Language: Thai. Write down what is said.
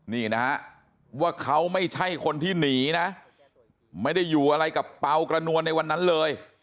นี่นะฮะว่าเขาไม่ใช่คนที่หนีนะไม่ได้อยู่อะไรกับเปล่ากระนวลในวันนั้นเลย